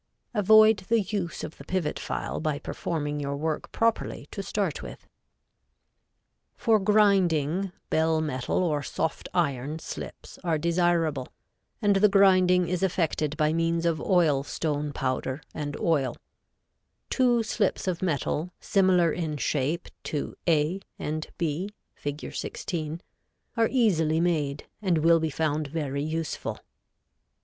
Avoid the use of the pivot file by performing your work properly to start with. [Illustration: Fig. 15.] [Illustration: Fig. 16.] For grinding, bell metal or soft iron slips are desirable, and the grinding is effected by means of oil stone powder and oil. Two slips of metal similar in shape to A and B, Fig. 16, are easily made, and will be found very useful.